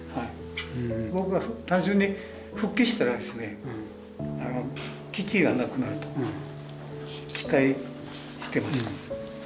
僕は単純に復帰したらですね基地がなくなると期待してました。